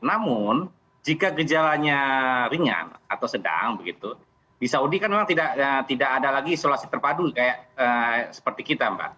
namun jika gejalanya ringan atau sedang begitu di saudi kan memang tidak ada lagi isolasi terpadu seperti kita mbak